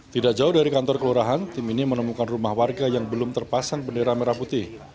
tidak jauh dari kantor kelurahan tim ini menemukan rumah warga yang belum terpasang bendera merah putih